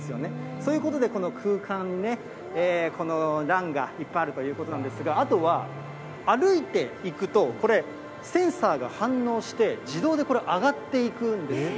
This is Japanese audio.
そういうことで、この空間にね、このランがいっぱいあるということなんですが、あとは、歩いていくと、これ、センサーが反応して、自動でこれ、上がっていくんですよ。